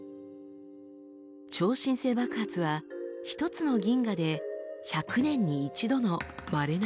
超新星爆発は一つの銀河で１００年に一度のまれな現象です。